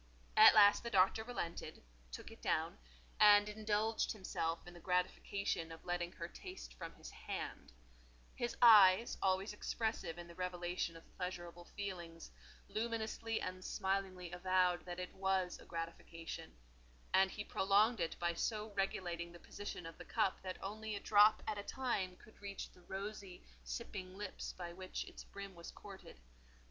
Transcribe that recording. At last the Doctor relented, took it down, and indulged himself in the gratification of letting her taste from his hand; his eyes, always expressive in the revelation of pleasurable feelings, luminously and smilingly avowed that it was a gratification; and he prolonged it by so regulating the position of the cup that only a drop at a time could reach the rosy, sipping lips by which its brim was courted.